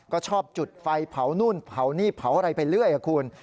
ก็ชอบจุดไฟเผานู่นเผานี่เผาอะไรไปเรื่อยคุณ